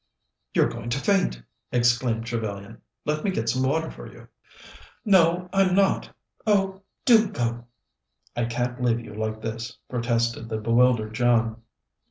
"You're going to faint!" exclaimed Trevellyan. "Let me get some water for you." "No, I'm not. Oh, do go!" "I can't leave you like this," protested the bewildered John.